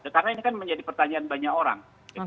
karena ini kan menjadi pertanyaan banyak orang